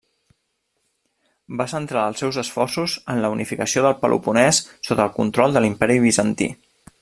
Va centrar els seus esforços en la unificació del Peloponès sota control de l'Imperi Bizantí.